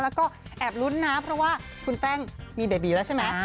แล้วก็แอบลุ้นนะเพราะว่าคุณแป้งมีเบบีแล้วใช่ไหม